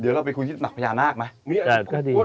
เดี๋ยวเราไปคุยที่หนักพญานาคไหม